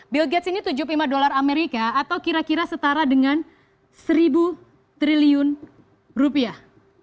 bill gates ini tujuh puluh lima dolar amerika atau kira kira setara dengan seribu triliun rupiah